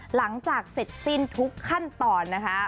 หลังจากเสร็จสิ้นทุกขั้นตอนนะคะ